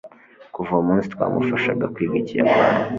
Kuva uwo munsi twamufashaga kwiga Ikiyapani